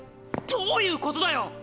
どういうことだよ